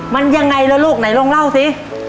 มันยังไงล่ะลูกไหนลองเล่าสิ